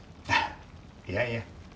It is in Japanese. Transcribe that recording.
いやいや。